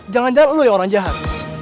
jangan jangan lu ya orang jahat